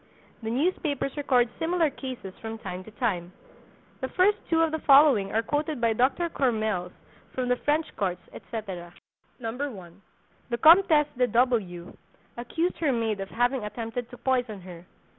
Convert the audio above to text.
The newspapers record similar cases from time to time. The first two of the following are quoted by Dr. Courmelles from the French courts, etc. 1. The Comtesse de W— accused her maid of having attempted to poison her.